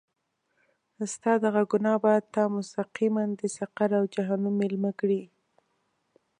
ستا دغه ګناه به تا مستقیماً د سقر او جهنم میلمه کړي.